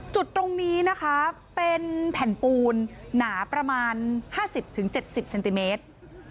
จุดตรงนี้นะคะเป็นแผ่นปูนหนาประมาณ๕๐๗๐เซนติเมตร